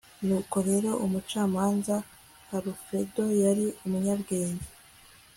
nuko rero umucamanza alfredo yari umunyabwenge